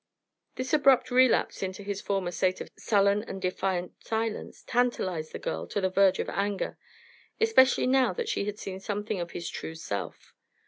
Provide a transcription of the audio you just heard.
This abrupt relapse into his former state of sullen and defiant silence tantalized the girl to the verge of anger, especially now that she had seen something of his true self.